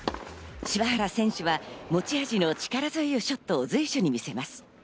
柴原選手は持ち味の力強いショットを随所に見せます。